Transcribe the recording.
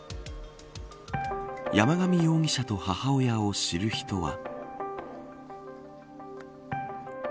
山上容疑者と母親を知る人は。